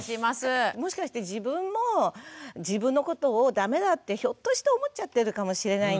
もしかして自分も自分のことをダメだってひょっとして思っちゃってるかもしれないんですよ。